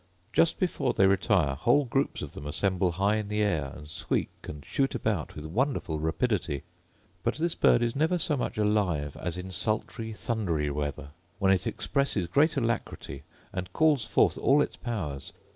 Just before they retire whole groups of them assemble high in the air, and squeak, and shoot about with wonderful rapidity. But this bird is never so much alive as in sultry thundry weather, when it expresses great alacrity, and calls forth all its powers.